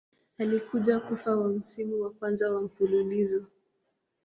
Alikuja kufa wa msimu wa kwanza wa mfululizo.